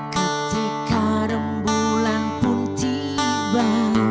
ketika rembulan pun tiba